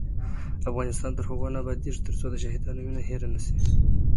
افغانستان تر هغو نه ابادیږي، ترڅو د شهیدانو وینه هیره نشي.